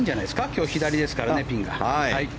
今日左ですから、ピンが。